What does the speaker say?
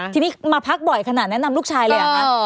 ทีนี้มาพักบ่อยขนาดแนะนำลูกชายเลยเหรอคะ